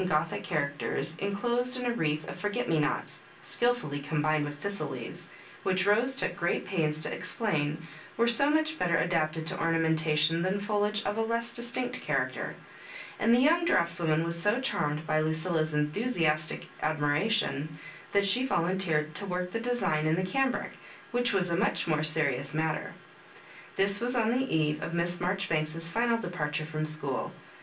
Gothic characters, enclosed in a wreath of forget me nots, skilfully combined with thistle leaves, which Rose took great pains to explam were so much better adapted to or namentation than foliage of a less distinct cha racter; and the young draughtswoman was so charmed by Lucilla's ^thusiastic admiration, that she volunteered to work the design in the cambric, which was a much more serious matter. This was on the eve of Miss Marjori banks's final departure from school.